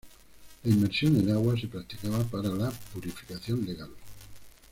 La inmersión en agua se practicaba para la purificación legal.